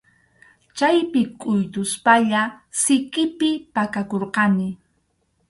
Chaypi kʼuytuspalla sikipi pakakurqani.